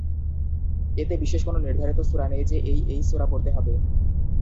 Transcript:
এতে বিশেষ কোনো নির্ধারিত সূরা নেই যে এই এই সূরা পড়তে হবে।